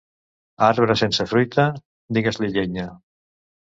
Arbre sense fruita, digues-li llenya.